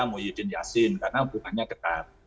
muhyiddin yassin karena hubungannya ketat